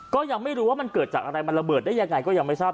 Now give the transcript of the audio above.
ก็ยังไม่รู้ว่ามันเกิดจากอะไรมันระเบิดได้ยังไงก็ยังไม่ทราบ